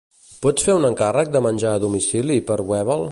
Pots fer un encàrrec de menjar a domicili per Webel?